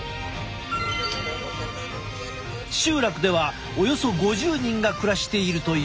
集落ではおよそ５０人が暮らしているという。